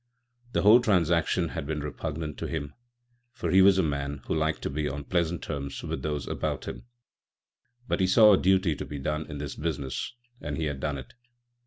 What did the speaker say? The whole transaction had been repugnant to him, for he was a man who liked to be on pleasant terms with those about him; but he saw a duty to be done in this business, and he had done it.